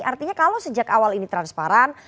artinya kalau sejak awal ini transparan